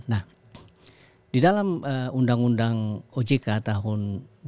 nah di dalam undang undang ojk tahun dua ribu